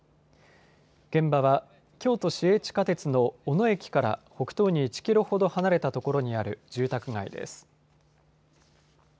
現場は京都市営地下鉄の小野駅から北東に１キロほど離れたところにある住宅街です。